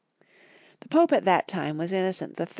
The Pope at that time was Innocent III.